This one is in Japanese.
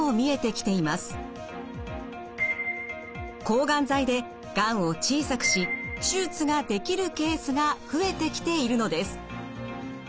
抗がん剤でがんを小さくし手術ができるケースが増えてきているのです。